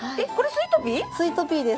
スイートピーです。